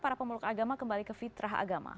para pemeluk agama kembali ke fitrah agama